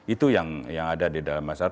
itu yang ada di dalam masyarakat